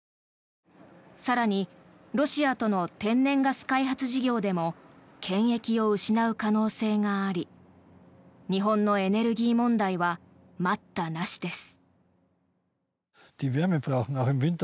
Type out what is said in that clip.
更に、ロシアとの天然ガス開発事業でも権益を失う可能性があり日本のエネルギー問題は待ったなしです。